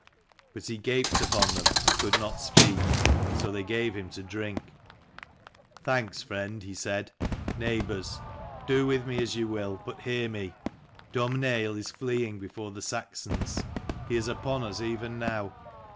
But he gaped upon them and could not speak. So they gave him to drink. "Thanks, friend," he said. "Neighbours, do with me as you will, but hear me. Domh naill is fleeing before the Saxons. He is upon us even now.